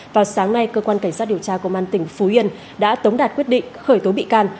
vào sáng nay cơ quan cảnh sát điều tra công an tỉnh phú yên đã tống đạt quyết định khởi tố bị can